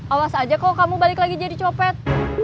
awas aja kok kamu balik lagi jadi copet